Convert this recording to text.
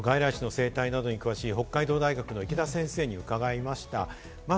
外来種の生態などに詳しい北海道大学の池田先生に伺いました。